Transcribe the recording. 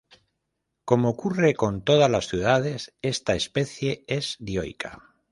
Como ocurre con todas las cícadas esta especie es dioica.